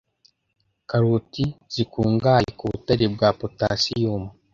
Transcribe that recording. Karoti zikungahaye ku butare bwa 'Potassium